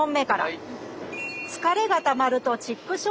はい。